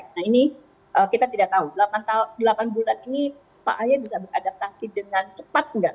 nah ini kita tidak tahu delapan bulan ini pak ahy bisa beradaptasi dengan cepat nggak